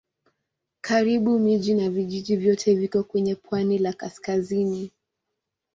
Karibu miji na vijiji vyote viko kwenye pwani la kaskazini.